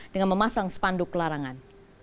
dengan memasang spanduk larangan